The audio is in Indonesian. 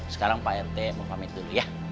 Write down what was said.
sekarang pak rt mau pamit dulu ya